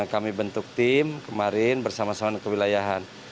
kami bentuk tim kemarin bersama sama dengan kewilayahan